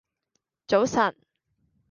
早晨